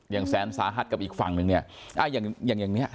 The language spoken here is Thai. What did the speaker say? อย่างแซมซาฮัทกับอีกฝั่งหนึ่งเนี้ยอ่ะอย่างอย่างอย่างเนี้ย